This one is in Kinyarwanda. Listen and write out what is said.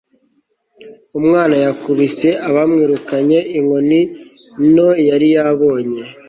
umwana yakubise abamwirukanye inkoni nto yari yabonye